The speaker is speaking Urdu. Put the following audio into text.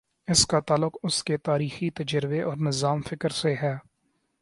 اس کا تعلق اس کے تاریخی تجربے اور نظام فکر سے ہے۔